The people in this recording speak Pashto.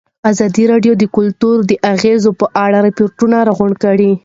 ازادي راډیو د کلتور د اغېزو په اړه ریپوټونه راغونډ کړي.